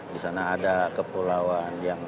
di sana ada kepulauan yang